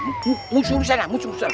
musuh disana musuh disana